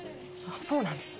そうなんですね。